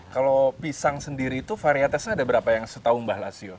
kalau pisang sendiri itu varietasnya ada berapa yang setau mbah lasio